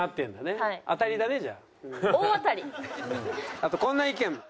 あとこんな意見も。